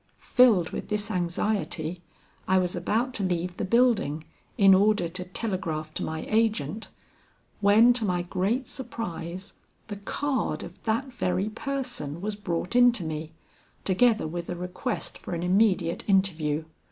Filled with this anxiety, I was about to leave the building, in order to telegraph to my agent, when to my great surprise the card of that very person was brought in to me, together with a request for an immediate interview.